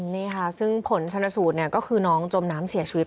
นี่ค่ะซึ่งผลชนสูตรเนี่ยก็คือน้องจมน้ำเสียชีวิต